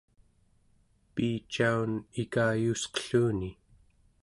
piicaun ikayuusqelluni